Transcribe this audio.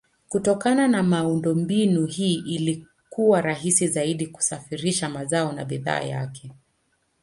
Kutokana na miundombinu hii ilikuwa rahisi zaidi kusafirisha mazao na bidhaa nje.